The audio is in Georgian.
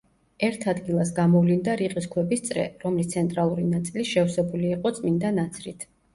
ერთ ადგილას გამოვლინდა რიყის ქვების წრე, რომლის ცენტრალური ნაწილი შევსებული იყო წმინდა ნაცრით.